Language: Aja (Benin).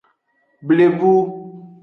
Blebu.